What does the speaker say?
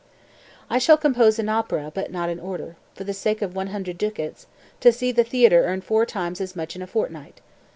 212. "I shall compose an opera but not in order, for the sake of 100 ducats, to see the theatre earn four times as much in a fortnight.